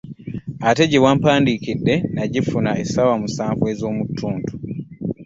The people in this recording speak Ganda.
Ate gye wampandiikira nagifuna essaawa musanvu ez'omuttuntu.